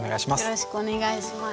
よろしくお願いします。